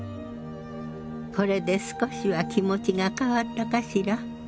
これで少しは気持ちが変わったかしら。